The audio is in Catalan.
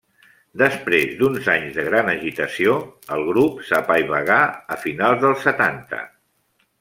Després d'uns anys de gran agitació, el grup s'apaivagà a finals dels setanta.